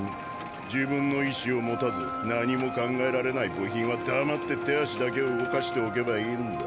自分の意思を持たず何も考えられない部品は黙って手足だけ動かしておけばいいんだ。